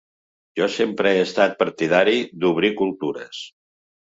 Jo sempre he estat partidari d’obrir cultures.